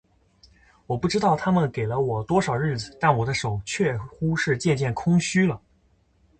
我不知道他们给了我多少日子，但我的手确乎是渐渐空虚了。